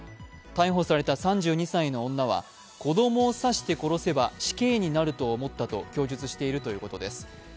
逮捕された３２歳の女は子供を刺して殺せば死刑になると思ったと供述しているということです。